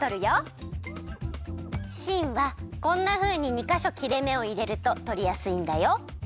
しんはこんなふうに２かしょきれめをいれるととりやすいんだよ。